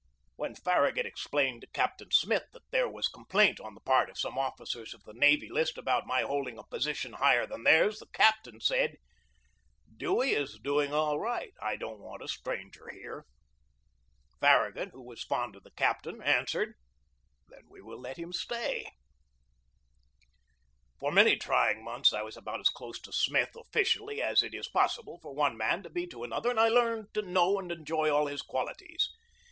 When Farragut explained CAPTAIN MELANCTHON SMITH, COMMANDER OF THE "MISSISSIPPI" BEGINNING OF THE CIVIL WAR 51 to Captain Smith that there was complaint on the part of some officers on the navy list about my hold ing a position higher than theirs, the captain said: "Dewey is doing all right. I don't want a stranger here/' Farragut, who was fond of the captain, answered : "Then we will let him stay." For many trying months I was about as close to Smith officially as it is possible for one man to be to another, and I learned to know and enjoy all his qualities.